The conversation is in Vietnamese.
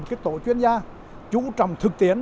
cái tổ chuyên gia trú trọng thực tiến